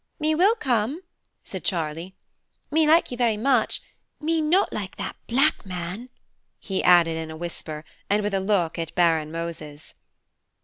"Me will come," said Charlie, "me like you very much–me not like that black man," he added in a whisper, and with a look at Baron Moses.